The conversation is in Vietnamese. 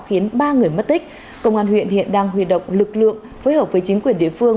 khiến ba người mất tích công an huyện hiện đang huy động lực lượng phối hợp với chính quyền địa phương